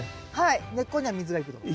根っこには水がいくと。